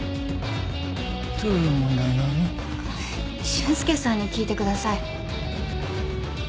俊介さんに聞いてください。